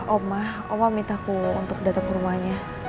oma oma minta aku untuk datang ke rumahnya